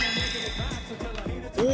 お！